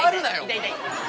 痛い痛い。